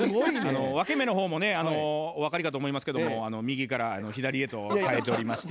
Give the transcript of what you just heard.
分け目の方もねお分かりかと思いますけども右から左へと変えておりまして。